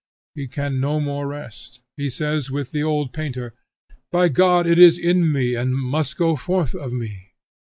He can no more rest; he says, with the old painter, "By God, it is in me and must go forth of me."